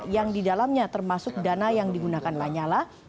yang didalamnya termasuk dana yang digunakan lanyala